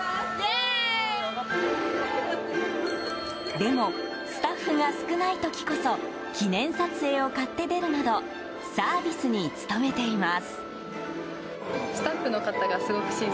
でも、スタッフが少ない時こそ記念撮影を買って出るなどサービスに努めています。